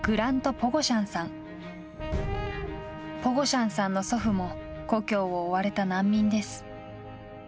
ポゴシャンさんの祖父も故郷を追われた難民です。